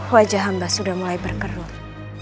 wajah hamba sudah mulai berkerut